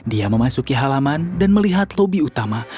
dia memasuki halaman dan melihat lobi utama